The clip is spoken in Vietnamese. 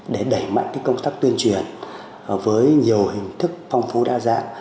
để đẩy mạnh công tác tuyên truyền với nhiều hình thức phong phú đa dạng